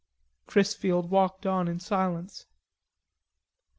Chrisfield walked on in silence.